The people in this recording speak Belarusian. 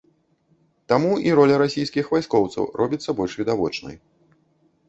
Таму і роля расійскіх вайскоўцаў робіцца больш відавочнай.